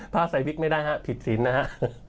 พระบ้าใส่วิกไม่ได้พิษศีลนะฮะ